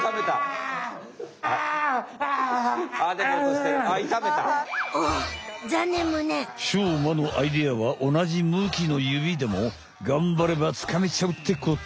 しょうまのアイデアはおなじむきのゆびでもがんばればつかめちゃうってこと。